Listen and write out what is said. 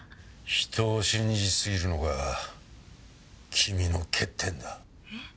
人を信じすぎるのが君の欠点だ。え？